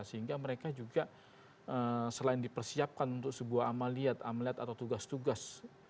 sehingga mereka juga selain dipersiapkan untuk sebuah amaliat amlet atau tugas tugas